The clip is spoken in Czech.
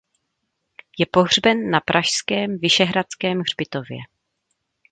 Je pohřben na pražském Vyšehradském hřbitově.